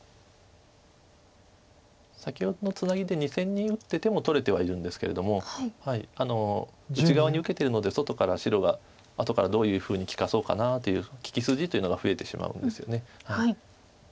先ほどのツナギで２線に打ってても取れてはいるんですけれども内側に受けてるので外から白が後からどういうふうに利かそうかなという利き筋というのが増えてしまうんですよね。